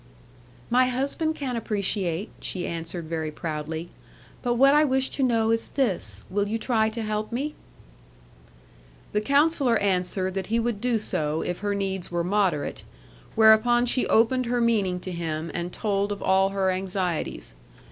'My husband can appreciate,' she answered very proudly; 'but what I wish to know is this, will you try to help me?' The Counsellor answered that he would do so, if her needs were moderate; whereupon she opened her meaning to him, and told of all her anxieties.